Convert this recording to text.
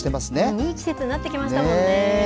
いい季節になってきましたもんね。